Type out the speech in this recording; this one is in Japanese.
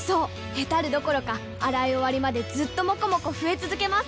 ヘタるどころか洗い終わりまでずっともこもこ増え続けます！